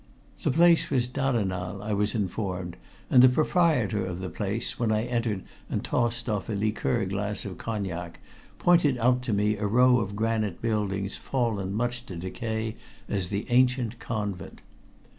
The place was Dadendal, I was informed, and the proprietor of the place, when I entered and tossed off a liqueur glass of cognac, pointed out to me a row of granite buildings fallen much to decay as the ancient convent.